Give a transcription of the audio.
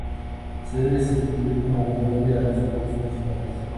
Suele sustituir como doble a los actores principales.